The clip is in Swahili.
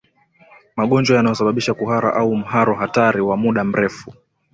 Magonjwa yanayosababisha kuhara au mharo hatari wa muda mrefu